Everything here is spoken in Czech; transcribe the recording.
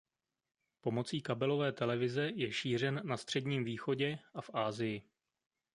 Pomocí kabelové televizi je šířen na Středním východě a v Asii.